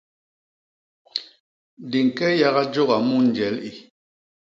Di ñke yaga jôga mu njel i!